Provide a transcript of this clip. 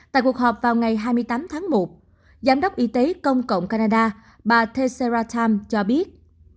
tại cuộc họp vào ngày hai mươi tám tháng một giám đốc y tế công cộng canada bà tessera tam cho biết